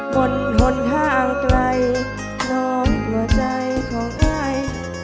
บนหนทางไกลนอนหัวใจของอาย